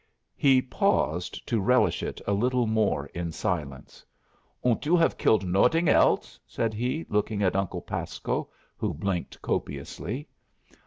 He paused to relish it a little more in silence. "Und you have killed noding else?" said he, looking at Uncle Pasco, who blinked copiously.